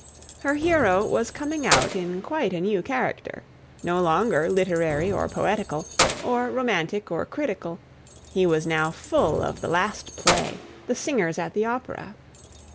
Her hero was coming out in quite a new character; no longer literary or poetical, or romantic, or critical, he was now full of the last new play, the singers at the opera.